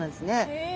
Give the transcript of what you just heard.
へえ。